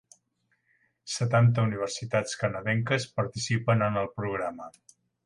Setanta universitats canadenques participen en el programa.